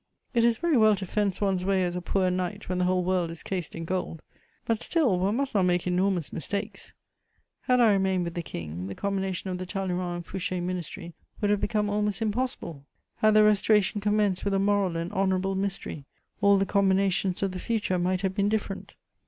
It is very well to fence one's way as a poor knight when the whole world is cased in gold; but still one must not make enormous mistakes: had I remained with the King, the combination of the Talleyrand and Fouché Ministry would have become almost impossible; had the Restoration commenced with a moral and honourable ministry, all the combinations of the future might have been different.